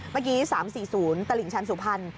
เมื่อกี้๓๔๐ตลิ่งชันสุพรรณ